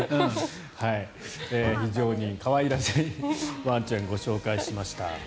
非常に可愛らしいワンちゃんをご紹介しました。